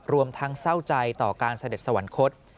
รวมทั้งเศร้าใจต่อการเสด็จสวรรคต